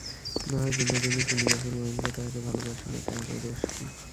নাহয় বিনোদিনী শুনিয়াছে, মহেন্দ্র তাহাকে ভালোবাসে না–তাহাতে দোষ কী।